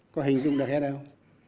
có hình dung được hết không